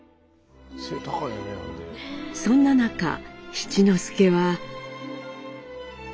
そんな中七之助は。